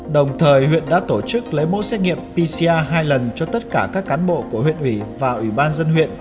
đồng thời huyện đã tổ chức lấy mẫu xét nghiệm pcr hai lần cho tất cả các cán bộ của huyện ủy và ủy ban dân huyện